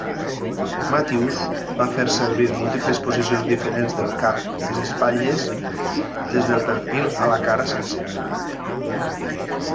Matthews va fer servir múltiples posicions diferents del cap i les espatlles, des del perfil a la cara sencera.